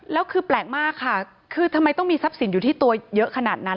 แล้วคือแปลกมากค่ะคือทำไมต้องมีทรัพย์สินอยู่ที่ตัวเยอะขนาดนั้น